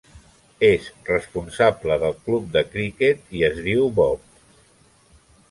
El responsable del club de criquet es diu Bob